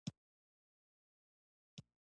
سوالګر له خدایه امید لري